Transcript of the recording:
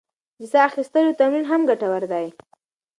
د ساه اخیستلو تمرین هم ګټور دی.